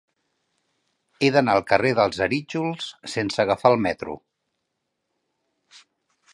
He d'anar al carrer dels Arítjols sense agafar el metro.